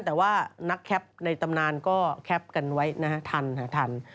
แต่ว่านักแคปในตำนานก็แคปกันไว้นะฮะทันค่ะทัน